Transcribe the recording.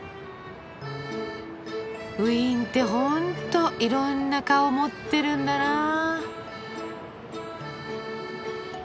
ウィーンってほんといろんな顔を持ってるんだなぁ。